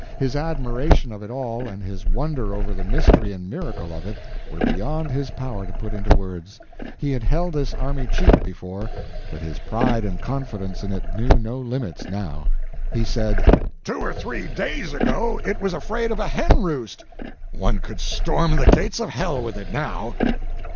His admiration of it all, and his wonder over the mystery and miracle of it, were beyond his power to put into words. He had held this army cheap before, but his pride and confidence in it knew no limits now. He said: "Two or three days ago it was afraid of a hen roost; one could storm the gates of hell with it now."